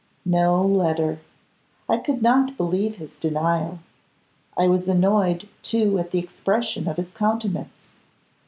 No letter! I could not believe his denial. I was annoyed, too, at the expression of his countenance.